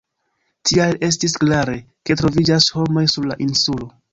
Tial estis klare, ke troviĝas homoj sur la insulo.